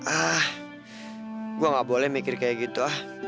ah gue gak boleh mikir kayak gitu